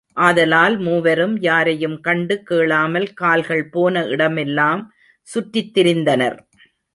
ஆதலால் மூவரும் யாரையும் கண்டு கேளாமல் கால்கள் போன இடமெல்லாம் சுற்றித்திரிந்தனர்.